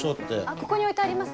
ここに置いてあります。